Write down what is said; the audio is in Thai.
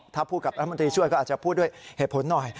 ถ้าพูดกับรัฐมนตรีช่วยก็อาจจะพูดด้วยเหตุผลหน่อย